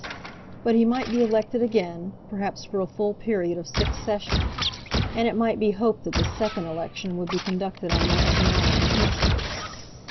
But he might be elected again, perhaps for a full period of six sessions; and it might be hoped that this second election would be conducted on more economical principles.